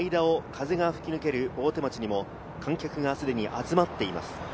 ビルの間を風が吹き抜ける大手町にも観客がすでに集まっています。